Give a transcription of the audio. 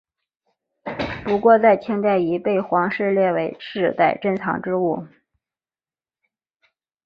不过在清代已被皇室列为世代珍藏之物。